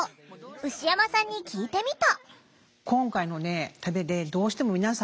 牛山さんに聞いてみた。